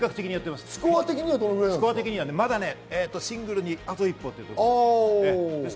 スコア的にはシングルにあと一歩というところです。